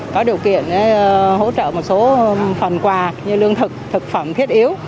có điều kiện hỗ trợ một số phần quà như lương thực thực phẩm thiết yếu